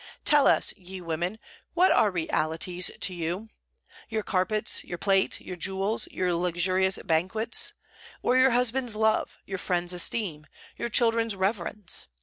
Tell us, ye women, what are realities to you, your carpets, your plate, your jewels, your luxurious banquets; or your husbands' love, your friends' esteem, your children's reverence?